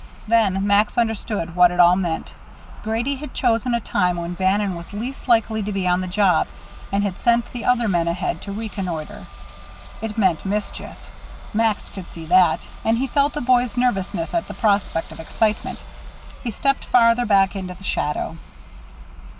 Then Max understood what it all meant: Grady had chosen a time when Bannon was least likely to be on the job; and had sent the other man ahead to reconnoitre. It meant mischief Max could see that; and he felt a boy's nervousness at the prospect of excitement. He stepped farther back into the shadow.